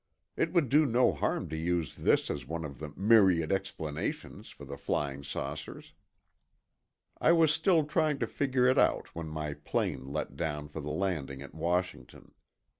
It would do no harm to use this as one of the "myriad explanations" for the flying saucers. I was still trying to figure it out when my plane let down for the landing at Washington.